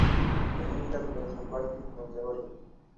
Es una interpretación práctica y no teórica.